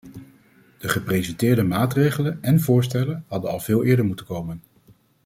De gepresenteerde maatregelen en voorstellen hadden al veel eerder moeten komen.